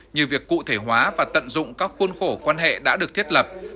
như việc cụ thể hóa và tận dụng các khuôn khổ quan hệ đã được thiết lập